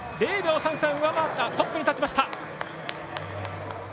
０秒３３上回ってトップに立ちました。